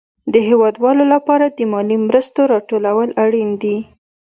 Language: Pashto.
د هېوادوالو لپاره د مالي مرستو راټول اړين دي.